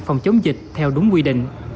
phòng chống dịch theo đúng quy định